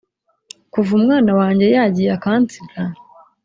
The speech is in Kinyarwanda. kuva umwana wanjye yagiye akansiga